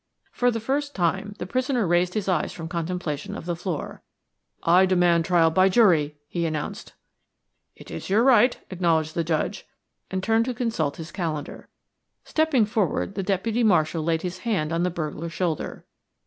For the first time the prisoner raised his eyes from contemplation of the floor. "I demand trial by jury," he announced. "It is your right," acknowledged the Judge, and turned to consult his calendar. Stepping forward, the deputy marshal laid his hand on the burglar's shoulder.